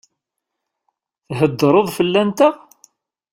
Theddṛeḍ fell-anteɣ?